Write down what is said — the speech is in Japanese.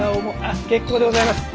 結構でございます。